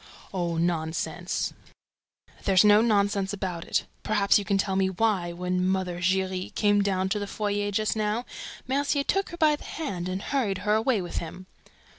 "Oh, nonsense!" "There's no nonsense about it. Perhaps you can tell me why, when Mother Giry came down to the foyer just now, Mercier took her by the hand and hurried her away with him?"